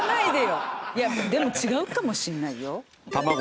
いやでも違うかもしれないよ。